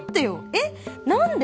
えっ何で？